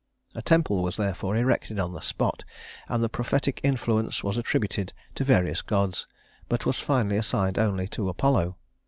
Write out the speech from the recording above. A temple was therefore erected on the spot, and the prophetic influence was attributed to various gods, but was finally assigned only to Apollo.